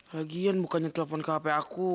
lagian bukannya telepon ke hp aku